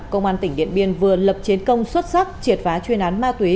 công an tỉnh điện biên vừa lập chiến công xuất sắc triệt phá chuyên án ma túy